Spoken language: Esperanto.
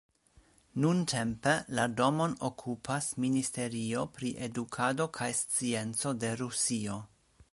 Nuntempe la domon okupas Ministerio pri edukado kaj scienco de Rusio.